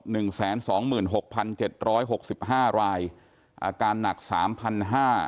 หนึ่งแสนสองหมื่นหกพันเจ็ดร้อยหกสิบห้ารายอาการหนักสามพันห้า